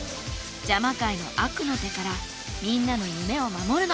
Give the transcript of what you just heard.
邪魔界の悪の手からみんなの夢を守るの！